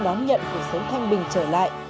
đón nhận cuộc sống thanh bình trở lại